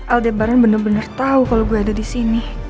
aldebaran bener bener tahu kalau gue ada di sini